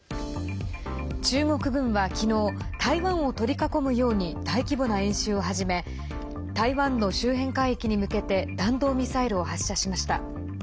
中国軍は昨日台湾を取り囲むように大規模な演習を始め台湾の周辺海域に向けて弾道ミサイルを発射しました。